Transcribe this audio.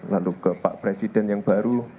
lalu ke pak presiden yang baru